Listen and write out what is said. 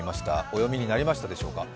お読みになられましたでしょうか？